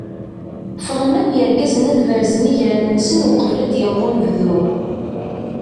Ffɣen akk yergazen ad berzen igran-nsen uqbel ad d-yaweḍ unebdu.